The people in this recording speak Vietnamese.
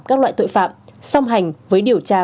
các loại tội phạm song hành với điều tra